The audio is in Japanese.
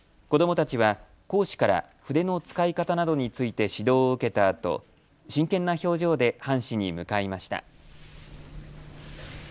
子どもたちは講師から筆の使い方などについて指導を受けたあと真剣な表情で半紙に向かいました。